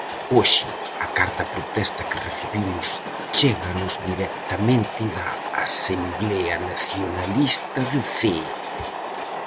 Hoxe, a carta-protesta que recibimos chéganos directamente da Asemblea Nacionalista de Cee.